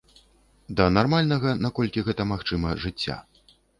Да нармальнага, наколькі гэта магчыма, жыцця.